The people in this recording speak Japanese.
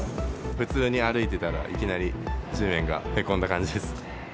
普通に歩いてたら、いきなり地面がへこんだ感じですね。